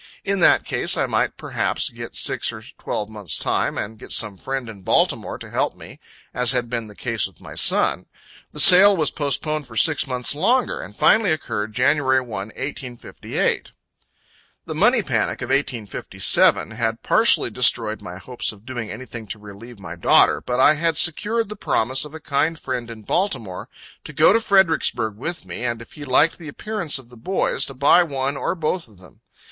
In that case, I might perhaps get six or twelve months time, and get some friend in Baltimore to help me, as had been the case with my son. The sale was postponed for six months longer, and finally occurred, Jan. 1, 1858. The money panic, of 1857, had partially destroyed my hopes of doing anything to relieve my daughter; But I had secured the promise of a kind friend in Baltimore, to go to Fredericksburg with me, and if he liked the appearance of the boys, to buy one or both of them.